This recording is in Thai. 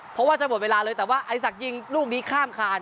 เพราะว่าจะหมดเวลาเลยแต่ว่าไอศักดิยิงลูกนี้ข้ามคาน